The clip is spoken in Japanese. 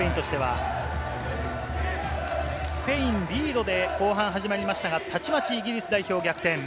スペインリードで後半始まりましたが、たちまちイギリス代表が逆転。